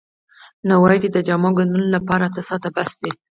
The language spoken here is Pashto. نو وایي چې د جامو ګنډلو لپاره اته ساعته بس دي.